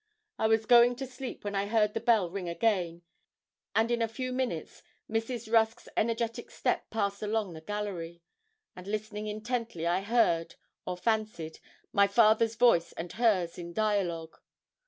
I was going to sleep when I heard the bell ring again; and, in a few minutes, Mrs. Rusk's energetic step passed along the gallery; and, listening intently, I heard, or fancied, my father's voice and hers in dialogue.